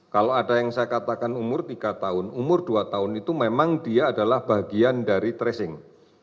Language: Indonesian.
kalau ada yang saya katakan umur tiga tahun umur dua tahun itu memang dia adalah bagian dari tracing